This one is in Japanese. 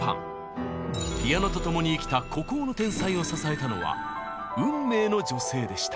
ピアノと共に生きた孤高の天才を支えたのは運命の女性でした。